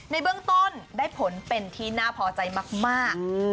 ในเบื้องต้นได้ผลเป็นที่น่าพอใจมาก